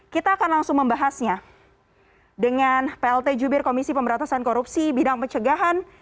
kita akan langsung membahasnya dengan plt jubir komisi pemberantasan korupsi bidang pencegahan